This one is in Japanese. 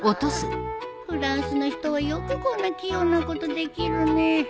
フランスの人はよくこんな器用なことできるね